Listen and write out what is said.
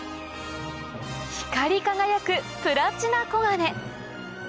光り輝くプラチナコガネ